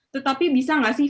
tetapi bisa gak sih